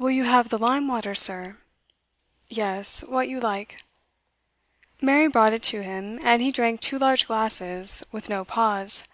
'Will you have the lime water, sir?' 'Yes what you like.' Mary brought it to him, and he drank two large glasses, with no pause.